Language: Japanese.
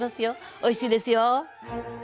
おいしいですよ！